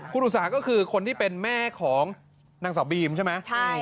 คุณอุตสาหก็คือคนที่เป็นแม่ของนางสาวบีมใช่ไหม